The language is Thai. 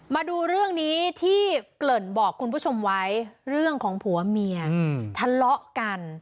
มาดูเรื่องนี้ที่เกริ่นบอกคุณผู้ชมไว้เรื่องของผัวเมียทะเลาะกัน